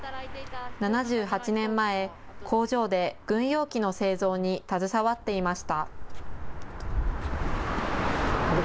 ７８年前、工場で軍用機の製造に携わっていました。